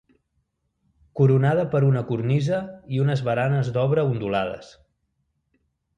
Coronada per una cornisa i unes baranes d'obra ondulades.